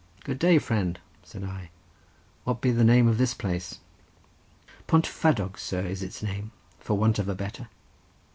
"Good day, friend," said I; "what may be the name of this place?" "Pont Fadog, sir, is its name, for want of a better."